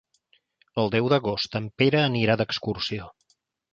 El deu d'agost en Pere anirà d'excursió.